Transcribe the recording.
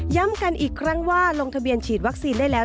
กันอีกครั้งว่าลงทะเบียนฉีดวัคซีนได้แล้ว